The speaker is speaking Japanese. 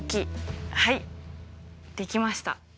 はいできました。